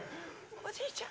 おじいちゃん。